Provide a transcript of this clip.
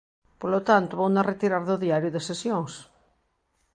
Polo tanto, vouna retirar do Diario de Sesións.